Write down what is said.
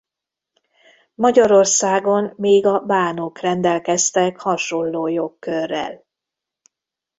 Magyarországon még a bánok rendelkeztek hasonló jogkörrel.